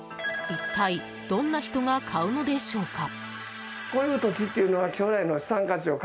一体どんな人が買うのでしょうか。